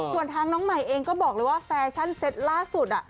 ส่วนทางน้องใหม่เองก็บอกเลยว่าแฟชั่นเซ็ตล่าสุด